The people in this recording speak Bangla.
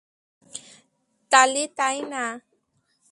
তালি তাই না?